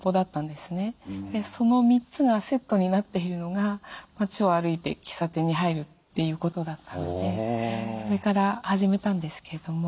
でその３つがセットになっているのが町を歩いて喫茶店に入るということだったのでそれから始めたんですけれども。